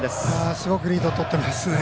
すごくリードをとっていますね。